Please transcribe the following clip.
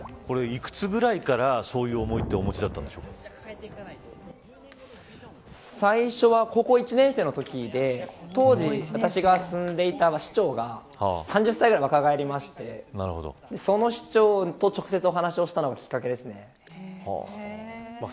いくつぐらいからそういう思いを最初は高校１年生のときで当時私が住んでいた市長が３０歳ぐらい若返ってその市長と直接お話をしたのがきっかけです。